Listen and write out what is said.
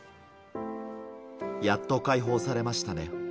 やっと解放されましたね。